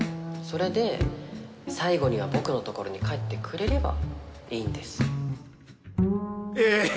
それで最後には僕のところに帰ってくれればいいんですいや